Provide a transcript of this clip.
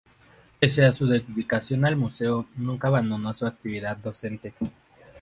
Pese a su dedicación al museo, nunca abandonó su actividad docente.